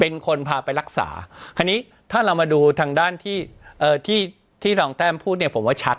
เป็นคนพาไปรักษาคราวนี้ถ้าเรามาดูทางด้านที่ที่รองแต้มพูดเนี่ยผมว่าชัด